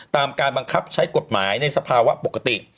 ตามการบังคับใช้กฎหมายในสภาวะปกติ